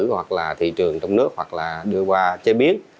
hoặc là thị trường trong nước hoặc là đưa qua chế biến